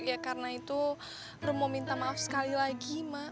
ya karena itu belum mau minta maaf sekali lagi mak